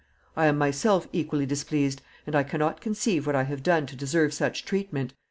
I am myself equally displeased, and I can not conceive what I have done to deserve such treatment.